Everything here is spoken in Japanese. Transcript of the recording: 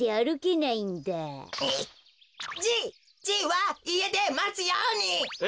じいはいえでまつように！え！